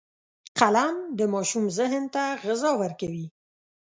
قلم د ماشوم ذهن ته غذا ورکوي